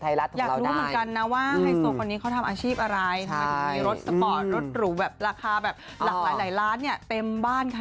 ยะหมูเขาพุ่งแม่งจริง